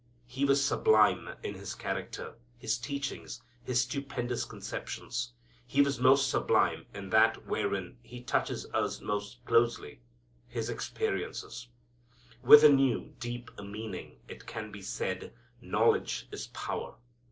He was sublime in His character, His teachings, His stupendous conceptions. He was most sublime in that wherein He touches us most closely His experiences. With a new, deep meaning it can be said, knowledge is power.